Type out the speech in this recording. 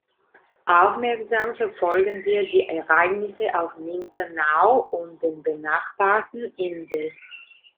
Aufmerksam verfolgen wir die Ereignisse auf Mindanao und den benachbarten Inseln.